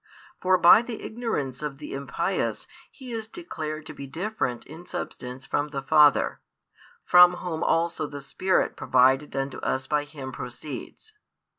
For by the ignorance of the impious He is declared to be different in Substance from the Father, from Whom also the Spirit provided unto us by Him proceeds.